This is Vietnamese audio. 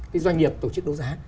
cái doanh nghiệp tổ chức đấu giá